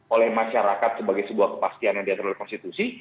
oleh masyarakat sebagai sebuah kepastian yang diatur oleh konstitusi